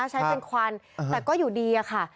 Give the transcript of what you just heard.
ใช้เป็นควันแต่ก็อยู่ดีอะค่ะ